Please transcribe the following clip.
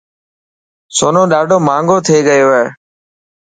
سونو ڏاڌو ماهنگو ٿي گيو هي.